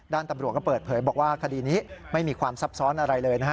ตำรวจก็เปิดเผยบอกว่าคดีนี้ไม่มีความซับซ้อนอะไรเลยนะฮะ